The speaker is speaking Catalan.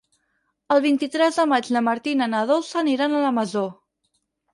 El vint-i-tres de maig na Martina i na Dolça aniran a la Masó.